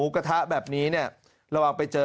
กระทะแบบนี้เนี่ยระหว่างไปเจอ